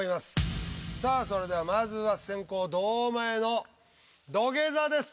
さあそれではまずは先攻・堂前の「土下座」です。